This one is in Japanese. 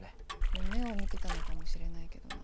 夢を見てたのかもしれないけどな。